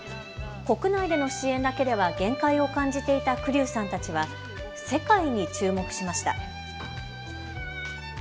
国内での支援だけでは限界を感じていた栗生さんたちは世界に注目しました。